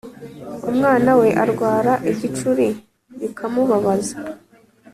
umwana we arwara igicuri bikamubabaza